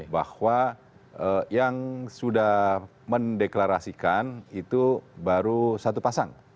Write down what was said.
bahwa yang sudah mendeklarasikan itu baru satu pasang